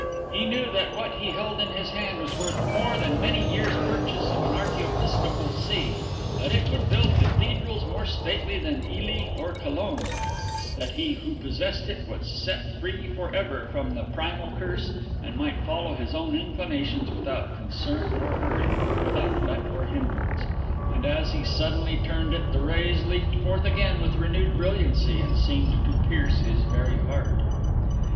He knew that what he held in his hand was worth more than many years' purchase of an archiepiscopal see; that it would build cathedrals more stately than Ely or Cologne; that he who possessed it was set free for ever from the primal curse, and might follow his own inclinations without concern or hurry, without let or hindrance. And as he suddenly turned it, the rays leaped forth again with renewed brilliancy, and seemed to pierce his very heart.